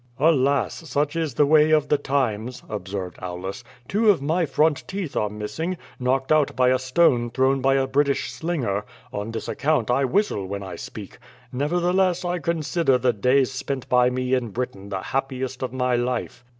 Alas, such is the way of the times," observed Aulus. Two of my front teeth are missing — knocked out by a stone thrown by a British slinger— on this account I whistle when QUO VADI8. 25 I speak. Nevertheless I consider the days spent by me in Britain the happiest of my life."